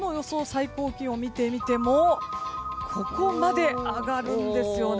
最高気温を見てみてもここまで上がるんですよね。